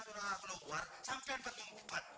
kita keluar sampean berdumpet